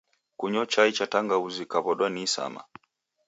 Kunyo chai cha tangauzi kukaw'adwa ni isama.